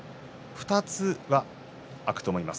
２つは空くと思います。